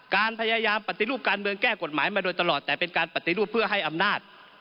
การพยายามปฏิรูปการเมืองแก้กฎหมายมาโดยตลอดแต่เป็นการปฏิรูปเพื่อให้อำนาจ